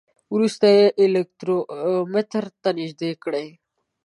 وروسته یې الکترومتر ته نژدې کړئ.